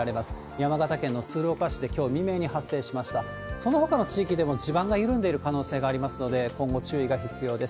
そのほかの地域でも地盤が緩んでる可能性がありますので、今後、注意が必要です。